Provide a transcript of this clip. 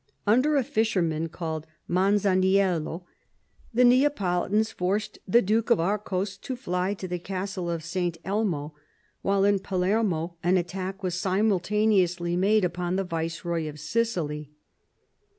Under a fisherman called Masaniello the Neapolitans forced the Duke of Arcos to fly to the castle of St. Elmo, while in Palermo an attack was simul taneously made upon the viceroy of Sicily.